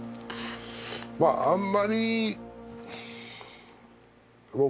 まああんまり何か。